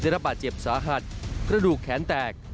ระบาดเจ็บสาหัสกระดูกแขนแตก